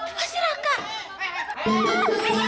coba tumpetin banten